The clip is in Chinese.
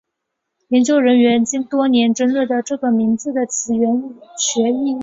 研究人员经多年争论这个名字的词源学意义。